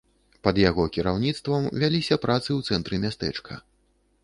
Пад яго кіраўніцтвам вяліся працы і ў цэнтры мястэчка.